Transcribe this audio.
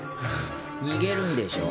・逃げるんでしょ？